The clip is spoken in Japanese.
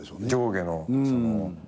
上下の。